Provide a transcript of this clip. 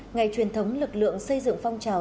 ngày truyền thống lực lượng xây dựng phong trào